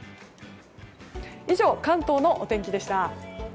以上、関東のお天気でした。